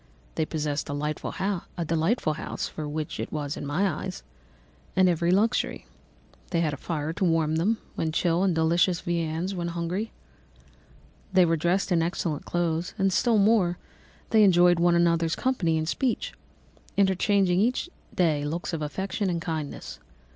They possessed a delightful house (for such it was in my eyes) and every luxury; they had a fire to warm them when chill and delicious viands when hungry; they were dressed in excellent clothes; and, still more, they enjoyed one another's company and speech, interchanging each day looks of affection and kindness.